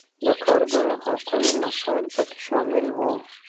د کارګرو حقونو مسایل پکې شامل وو.